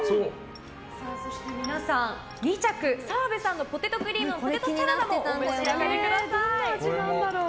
そして皆さん２着、澤部さんのポテトクリームポテトサラダもお召し上がりください。